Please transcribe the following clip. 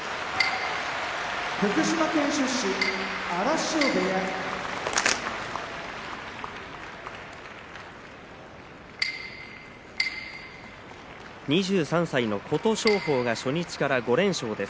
福島県出身荒汐部屋２３歳の琴勝峰が初日から５連勝です。